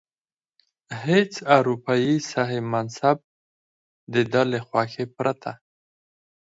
هیڅ اروپايي صاحب منصب د ده له خوښې پرته.